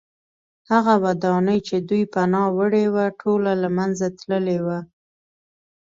هغه ودانۍ چې دوی پناه وړې وه ټوله له منځه تللې وه